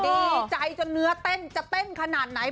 ดีใจจนเนื้อเต้นจะเต้นขนาดไหน